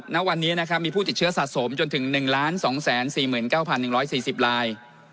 ณวันนี้นะครับมีผู้ติดเชื้อสะสมจนถึงหนึ่งล้านสองแสนสี่หมื่นเก้าพันหนึ่งร้อยสี่สิบลาย